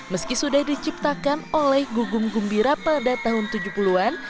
meski sudah diciptakan oleh gugum gumbira pada tahun tujuh puluh an